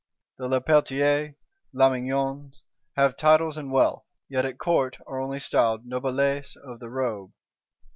The Lepelletiers, Lamoignons have titles and wealth; yet, at Court, are only styled "Noblesse of the Robe."